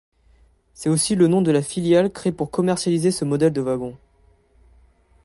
C'est aussi le nom de la filiale créée pour commercialiser ce modèle de wagons.